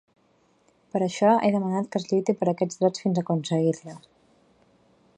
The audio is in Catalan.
Per això, ha demanat que es lluiti per aquests drets fins aconseguir-la.